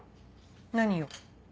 何よ？